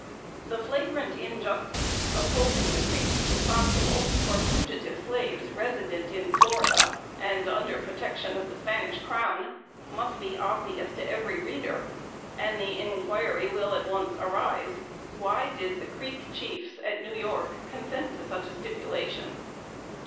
The flagrant injustice of holding the Creeks responsible for fugitive slaves resident in Florida, and under protection of the Spanish crown, must be obvious to every reader; and the inquiry will at once arise. Why did the Creek chiefs at New York consent to such a stipulation?